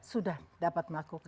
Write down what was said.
sudah dapat melakukannya